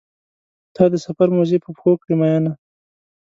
تا د سفر موزې په پښو کړې مینه.